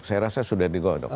saya rasa sudah digodok